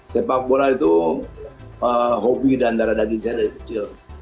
sepak bola itu hobi dan darah dagingnya dari kecil